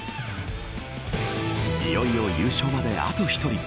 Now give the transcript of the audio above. いよいよ優勝まで、あと１人。